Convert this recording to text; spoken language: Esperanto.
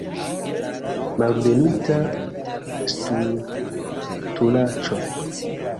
Malbenita stultulaĉo.